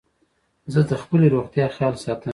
زه د خپلي روغتیا خیال ساتم.